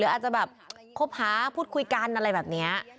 อาจจะแบบคบหาพูดคุยกันอะไรแบบนี้